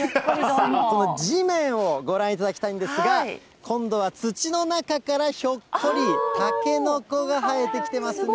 さあ、この地面をご覧いただきたいんですが、今度は土の中からひょっこり、タケノコが生えてきてますね。